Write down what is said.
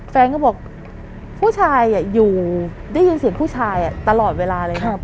แฟนก็บอกผู้ชายอยู่ได้ยินเสียงผู้ชายตลอดเวลาเลย